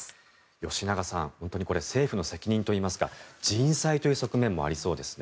吉永さん、本当にこれ政府の責任といいますか人災という側面もありそうですね。